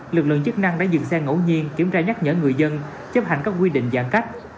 lực lượng chức năng đã dừng xe ngẫu nhiên kiểm tra nhắc nhở người dân chấp hành các quy định giãn cách